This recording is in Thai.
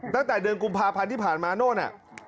ตั้งแต่เดือนกุมภาพันธ์ที่ผ่านมาโน่น